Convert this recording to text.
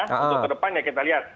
untuk kedepannya kita lihat